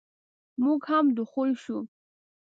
موږ هم دخول شوو.